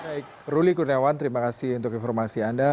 baik ruli kurniawan terima kasih untuk informasi anda